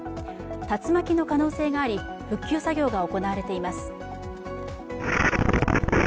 竜巻の可能性があり、復旧作業が行われています。